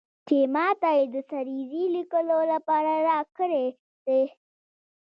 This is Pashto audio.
چې ماته یې د سریزې لیکلو لپاره راکړی دی.